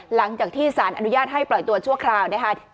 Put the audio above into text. หลังจากที่สารอนุญาตให้ปล่อยตัวชั่วคราวนะคะ